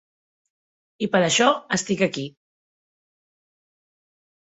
I per això estic aquí.